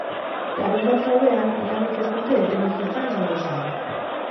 Larunbat gauean, lanek ez dute etenik izan gau osoan.